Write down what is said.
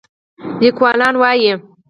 لیکوالان وايي